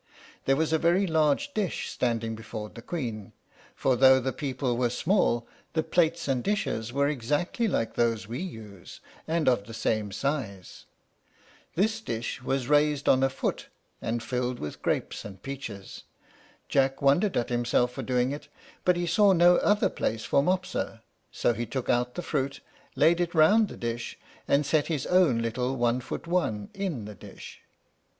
There was a very large dish standing before the Queen; for though the people were small, the plates and dishes were exactly like those we use, and of the same size. This dish was raised on a foot, and filled with grapes and peaches. Jack wondered at himself for doing it, but he saw no other place for Mopsa; so he took out the fruit, laid it round the dish, and set his own little one foot one in the dish.